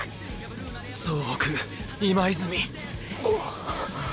総北今泉！！ぁ！！